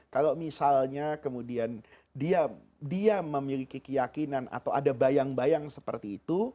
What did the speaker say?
kalau misalnya kemudian dia memiliki keyakinan atau ada bayang bayang seperti itu